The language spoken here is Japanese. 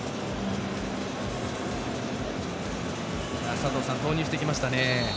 佐藤さん、投入してきましたね。